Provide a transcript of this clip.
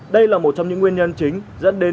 đây là một trong những nguyên nhân chính dẫn đến